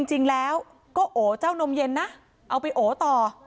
จริงแล้วก็โอเจ้านมเย็นนะเอาไปโอต่อ